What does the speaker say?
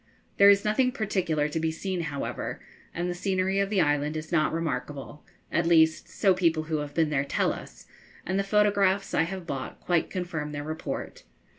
There is nothing particular to be seen, however, and the scenery of the island is not remarkable; at least, so people who have been there tell us, and the photographs I have bought quite confirm their report.